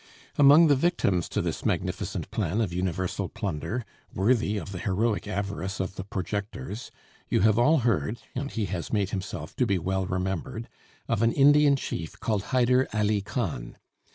Among the victims to this magnificent plan of universal plunder, worthy of the heroic avarice of the projectors, you have all heard (and he has made himself to be well remembered) of an Indian chief called Hyder Ali Khan.